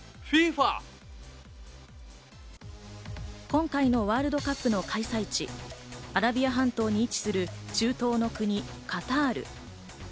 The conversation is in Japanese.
今回のワールドカップの開催地、アラビア半島に位置する中東の国、カタール。